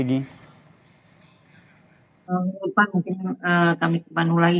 mungkin kami ke bandung lagi